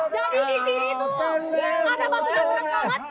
dari di sini tuh ada batunya keren banget